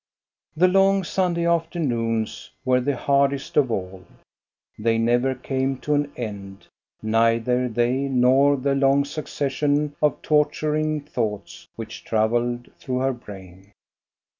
The long Sunday afternoons were the hardest of all. They never came to an end, neither they nor the long succession of torturing thoughts which travelled through her brain.